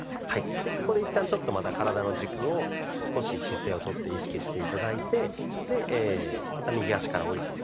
でここで一旦ちょっとまた体の軸を少し姿勢をとって意識して頂いてまた右足から下りていく。